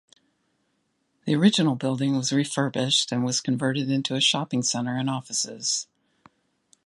The original building was refurbished and was converted into a shopping centre and offices.